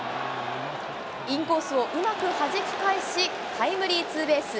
インコースをうまくはじき返し、タイムリーツーベース。